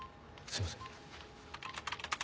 すいません。